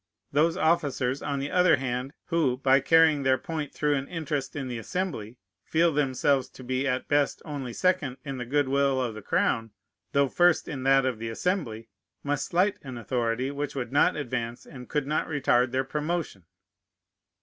Those officers, on the other hand, who, by carrying their point through an interest in the Assembly, feel themselves to be at best only second in the good will of the crown, though first in that of the Assembly, must slight an authority which would not advance and could not retard their promotion.